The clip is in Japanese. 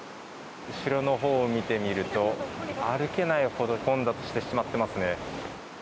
後ろのほうを見てみると歩けないほど混雑してしまっていますね。